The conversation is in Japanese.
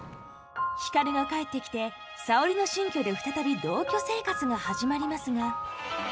光が帰ってきて沙織の新居で再び同居生活が始まりますが。